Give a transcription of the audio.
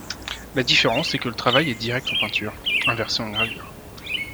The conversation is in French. La différence c’est que le travail est direct en peinture, inversé en gravure.